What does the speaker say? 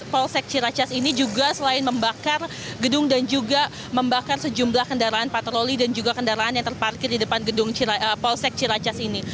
polsek ciracas ini juga selain membakar gedung dan juga membakar sejumlah kendaraan patroli dan juga kendaraan yang terparkir di depan gedung polsek ciracas ini